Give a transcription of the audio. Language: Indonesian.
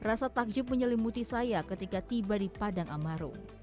rasa takjub menyelimuti saya ketika tiba di padang amarung